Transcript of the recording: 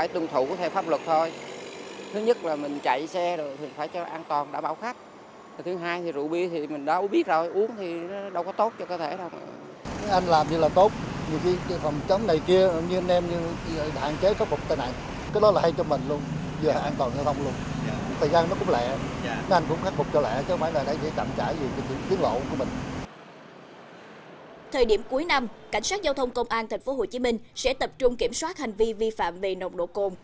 thời điểm cuối năm cảnh sát giao thông công an tp hcm sẽ tập trung kiểm soát hành vi vi phạm về nồng độ cồn